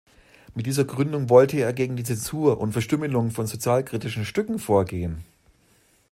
Mit dieser Gründung wollte er gegen die Zensur und Verstümmelung von sozialkritischen Stücken vorgehen.